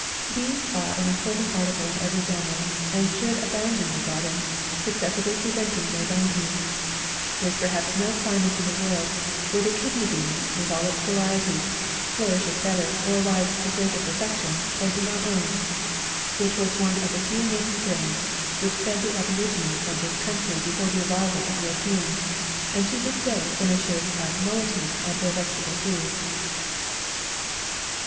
Beans are an important article in every family, and should abound in your garden, successively presenting their bounties. — There is perhaps no climate in the world, where the kidney bean, with all its varieties, flourishes better or arrives to greater perfec tion, than in our own. It was one of the few native grains which fed the aborigines of this country before the arrival of Europeans, and to this day furnishes a moiety of their vege table food.